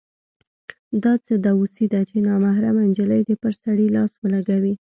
دا څه دوسي ده چې نامحرمه نجلۍ دې پر سړي لاس ولګوي.